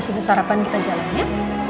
sese sarapan kita jalan ya